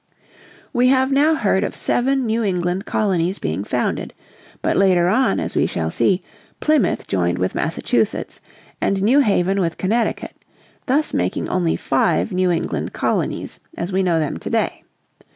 We have now heard of seven New England colonies being founded. But later on, as we shall see, Plymouth joined with Massachusetts, and New Haven with Connecticut, thus making only five New England colonies as we know them today.